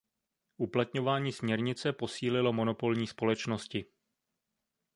Uplatňování směrnice posílilo monopolní společnosti.